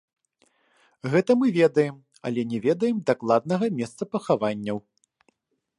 Гэта мы ведаем, але не ведаем дакладнага месца пахаванняў.